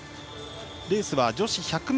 レースは女子１００ｍ